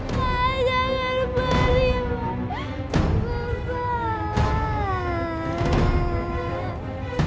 papa jangan pergi